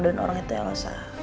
dan orang itu elsa